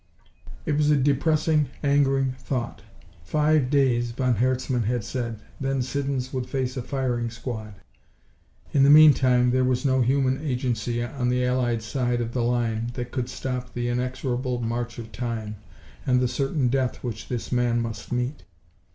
It was a depressing, angering thought. Five days, von Herzmann had said. Then Siddons would face a firing squad. In the meantime, there was no human agency, on the Allied side of the line, that could stop the inexorable march of time and the certain death which this man must meet.